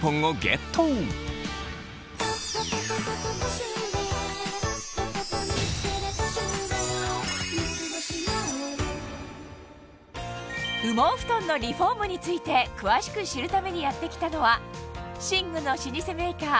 しかもさらに今日はをゲット羽毛ふとんのリフォームについて詳しく知るためにやって来たのは寝具の老舗メーカー